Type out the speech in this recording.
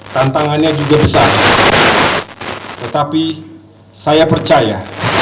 tantangannya juga besar tetapi saya percaya